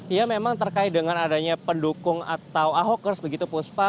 ya memang terkait dengan adanya pendukung atau ahokers begitu puspa